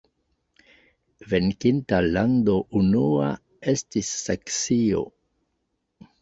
Venkinta lando unua estis Saksio.